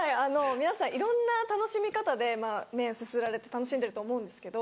皆さんいろんな楽しみ方で麺すすられて楽しんでると思うんですけど。